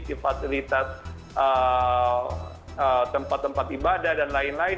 di fasilitas tempat tempat ibadah dan lain lain